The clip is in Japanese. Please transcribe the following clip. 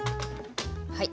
はい。